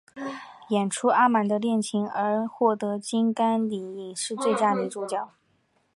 演出阿满的恋情而获得金甘蔗影展最佳女主角。